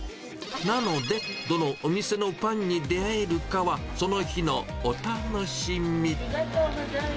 なので、どのお店のパンに出会えるかは、その日のお楽しみ。